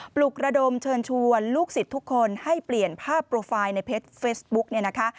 ปลุกระดมเชิญชวนลูกศิษย์ทุกคนให้เปลี่ยนภาพโปรไฟล์ในเพจเฟซบุ๊กเนี่ยนะคะ